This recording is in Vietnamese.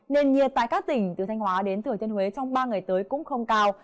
nền nhiệt tại các tỉnh từ thanh hóa đến thửa trân huế trong ba ngày tới cũng không cao